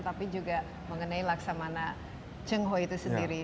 tapi juga mengenai laksamana cengho itu sendiri